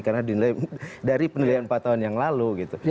karena dari pendelian empat tahun yang lalu